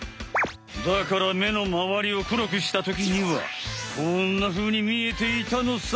だから目のまわりを黒くしたときにはこんなふうに見えていたのさ。